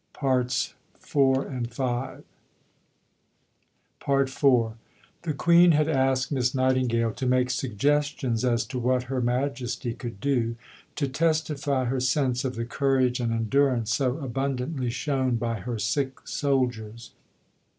p. 356. IV The Queen had asked Miss Nightingale to make suggestions as to what Her Majesty could do "to testify her sense of the courage and endurance so abundantly shown by her sick soldiers."